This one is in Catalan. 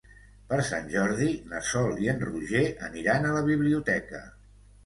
Per Sant Jordi na Sol i en Roger aniran a la biblioteca.